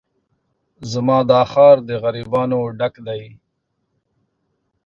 زما دا ښار د غريبانو ډک دی